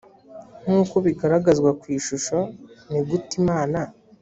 nk uko bigaragazwa ku ishusho ni gute imana